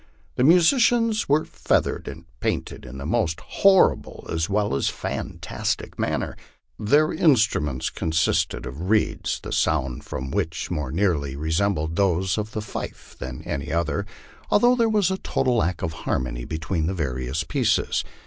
The musicians were feathered and painted in the most horrible as well as fantastic manner. Their in struments consisted of reeds, the sounds from which more nearly re sembled those of the fife than any other, although there was a total lack of har mony between the various pieces.